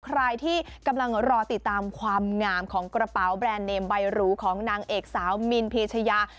ใครที่กำลังรอติดตามความงามของกระเป๋าแบรนด์เนมใบหรูของนางเอกสาวมินพีชยา